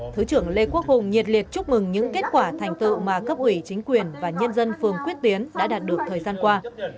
thứ trưởng lê quốc hùng nhiệt liệt chúc mừng những kết quả thành tựu mà cấp ủy chính quyền và nhân dân phường quyết tiến đã đạt được thời gian qua